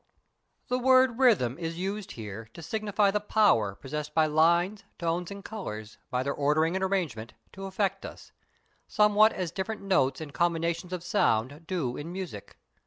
The word rhythm is here used to signify the power possessed by lines, tones, and colours, by their ordering and arrangement, to affect us, somewhat as different notes and combinations of sound do in music.